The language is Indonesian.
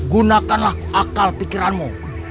gunakanlah akal pikiranmu